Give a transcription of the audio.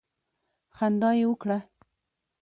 خندا یې وکړه.